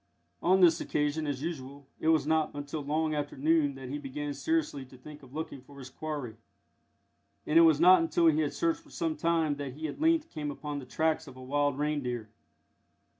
On this occasion, as usual, it was not until long after noon that he began seriously to think of looking for his quarry, and it was not until he had searched for some time that he at length came upon the tracks of a wild reindeer.